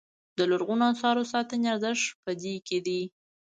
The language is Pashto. د لرغونو اثارو ساتنې ارزښت په دې کې دی.